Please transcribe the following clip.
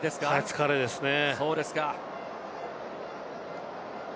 疲れですね。